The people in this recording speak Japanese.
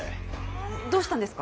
どうしたんですか？